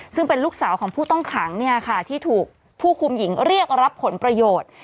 ซึ่งเป็นลูกสาวของผู้ต้องขังที่ถูกผู้คุมหญิงเรียกรับผลประโยชน์